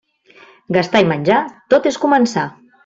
Gastar i menjar, tot és començar.